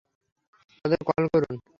তাদের কল করুন।